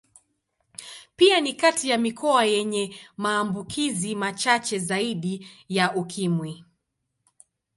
Pia ni kati ya mikoa yenye maambukizi machache zaidi ya Ukimwi.